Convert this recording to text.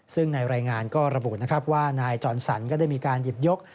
ซึ่งในรายงานก็ระบุนะครับว่านายจรสันก็ได้มีการหยิบยก